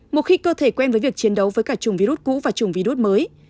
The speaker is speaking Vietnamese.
một khi cơ thể quen với việc chiến đấu với cả chủng vi rút cũ và chủng vi rút mới